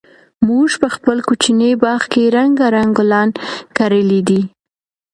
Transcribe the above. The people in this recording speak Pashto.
موږ په خپل کوچني باغ کې رنګارنګ ګلان کرلي دي.